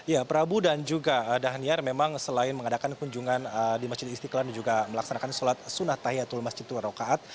ya prabu dan juga dhaniar memang selain mengadakan kunjungan di masjid istiqlal dan juga melaksanakan sholat sunat tahiyatul masjid tua rokaat